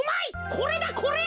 これだこれ。